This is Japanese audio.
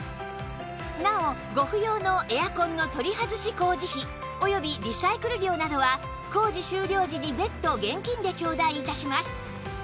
なおご不要のエアコンの取り外し工事費及びリサイクル料などは工事終了時に別途現金でちょうだい致します